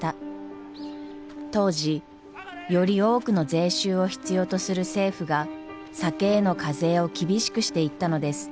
当時より多くの税収を必要とする政府が酒への課税を厳しくしていったのです。